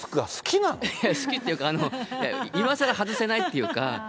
好きっていうか、今さら外せないっていうか。